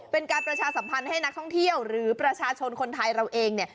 เป็นการประชาสัมพันธ์ให้นักท่องเที่ยวหรือประชาชนคนไทยเราเองเนี่ย